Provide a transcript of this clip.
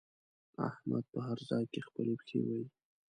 احمد په هر ځای کې خپلې پښې وهي.